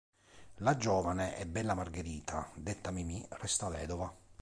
La giovane e bella Margherita, detta Mimmi, resta vedova.